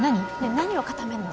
何を固めんの？